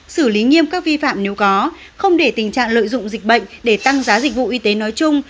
xử lý nghiêm các vi phạm nếu có không để tình trạng lợi dụng dịch bệnh để tăng giá dịch vụ y tế nói chung